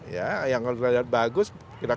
ya yang kalau kita lihat bagus kita